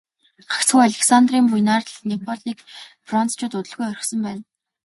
Гагцхүү Александрын буянаар л Неаполийг францчууд удалгүй орхисон байна.